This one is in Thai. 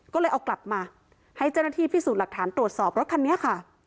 ก็เลยเอากลับมาให้เจ้าหน้าที่พิสูจน์หลักฐานตรวจสอบรถคันนี้ค่ะ